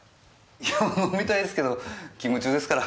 いやぁ飲みたいですけど勤務中ですから。